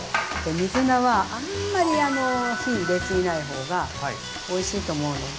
水菜はあんまり火入れすぎない方がおいしいと思うので。